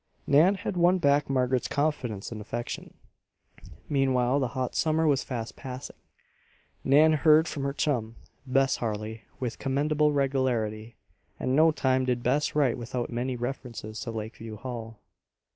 Nan had won back Margaret's confidence and affection. Meanwhile the hot summer was fast passing. Nan heard from her chum, Bess Harley, with commendable regularity; and no time did Bess write without many references to Lakeview Hall.